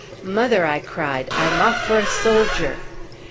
"Mother," I cried, "I'm off for a soldier!"